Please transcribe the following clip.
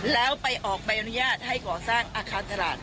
แล้วไปออกใบอนุญาตให้ก่อสร้างอาคารตลาด